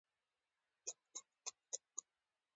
سلیمان غر د افغانستان د چاپیریال د مدیریت لپاره مهم دي.